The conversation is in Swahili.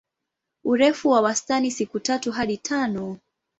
Urefu wa wastani siku tatu hadi tano.